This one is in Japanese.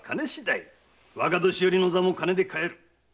若年寄の座も金で買える。